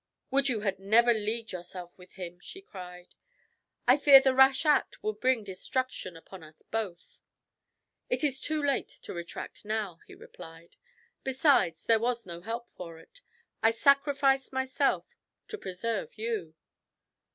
"Would you had never leagued yourself with him!" she cried; "I fear the rash act will bring destruction upon us both." "It is too late to retract now," he replied; "besides, there was no help for it. I sacrificed myself to preserve you."